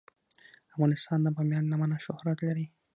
افغانستان د بامیان له امله شهرت لري.